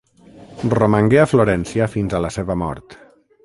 Romangué a Florència fins a la seva mort.